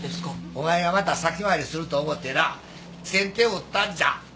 お前がまた先回りすると思ってな先手を打ったんじゃハハハ！